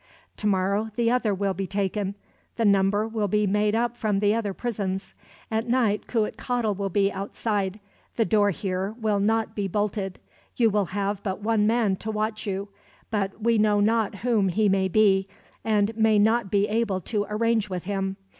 Tomorrow the other will be taken. The number will be made up from the other prisons. At night Cuitcatl will be outside. The door here will not be bolted. You will have but one man to watch you; but we know not whom he may be, and may not be able to arrange with him.